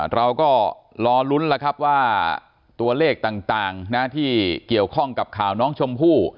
เราก็รอลุ้นแล้วครับว่าตัวเลขต่างที่เกี่ยวข้องกับข่าวน้องชมพู่